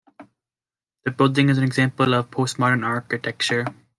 The building is an example of Postmodern architecture.